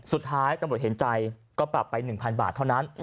สุดท้ายตำรวจเห็นใจก็ปรับไป๑๐๐บาทเท่านั้น